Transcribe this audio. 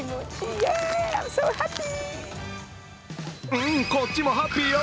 うん、こっちもハッピーよ。